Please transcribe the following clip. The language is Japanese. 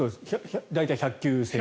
大体１００球です。